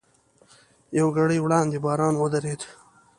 یوه ګړۍ وړاندې باران ودرېد.